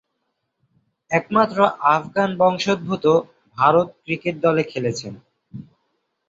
একমাত্র আফগান বংশোদ্ভূত ভারত ক্রিকেট দলে খেলেছেন।